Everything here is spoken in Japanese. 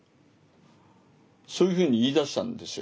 そういうふうに言いだしたんですよ。